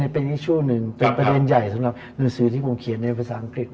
เป็นประเด็นใหญ่สำหรับหนังสือที่ผมเขียนในภาษาอังกฤษ